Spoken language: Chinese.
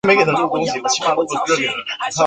李澄玉官至咸吉道都节制使。